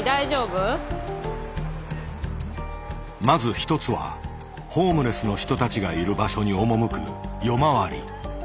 まず一つはホームレスの人たちがいる場所に赴く「夜回り」。